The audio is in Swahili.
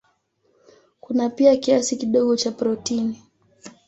Kuna pia kiasi kidogo cha protini.